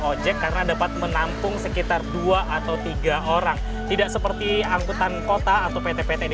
ojek karena dapat menampung sekitar dua atau tiga orang tidak seperti angkutan kota atau pt pt di